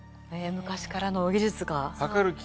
昔からの技術が。